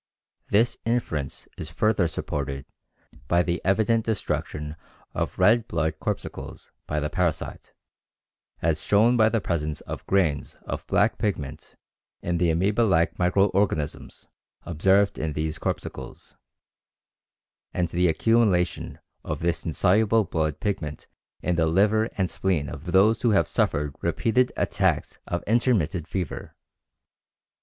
This inference is further supported by the evident destruction of red blood corpuscles by the parasite, as shown by the presence of grains of black pigment in the amoeba like micro organisms observed in these corpuscles and the accumulation of this insoluble blood pigment in the liver and spleen of those who have suffered repeated attacks of intermittent fever.